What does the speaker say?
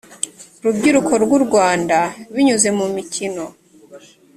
rubyiruko rw u rwanda binyuze mu mukino